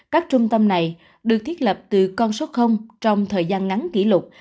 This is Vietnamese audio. các trung tâm này được thiết lập từ con số trong thời gian ngắn kỷ lục